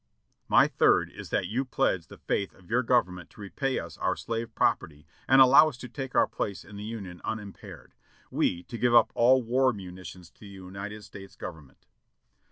"My third is that you pledge the faith of your Government to repay us for our slave property and allow us to take our place in the Union unimpaired ; we to give up all war munitions to the United States Government."